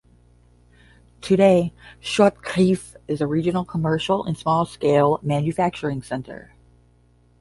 Today, Chortkiv is a regional commercial and small-scale manufacturing center.